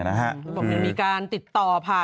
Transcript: จังหรือเปล่าจังหรือเปล่า